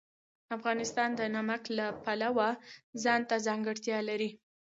افغانستان د نمک د پلوه ځانته ځانګړتیا لري.